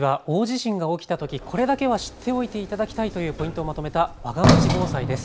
次は大地震が起きたときこれだけは知っておいていただきたいというポイントをまとめたわがまち防災です。